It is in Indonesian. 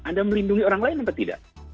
anda melindungi orang lain apa tidak